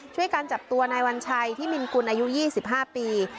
ช่วยการจับตัวนายวัญชัยที่มินกุลอายุ๒๕ปี